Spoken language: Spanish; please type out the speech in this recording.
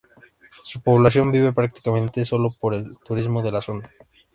Su población vive prácticamente sólo por el turismo de la zona.